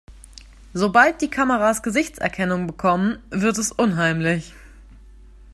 Sobald die Kameras Gesichtserkennung bekommen, wird es unheimlich.